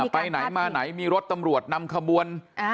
ไปไหนมาไหนมีรถตำรวจนำขบวน